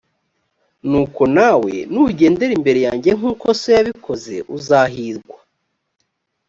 nuko nawe nugendera imbere yanjye nk uko so yabikoze uzahirwa